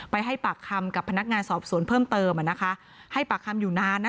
ให้ปากคำกับพนักงานสอบสวนเพิ่มเติมอ่ะนะคะให้ปากคำอยู่นานนะ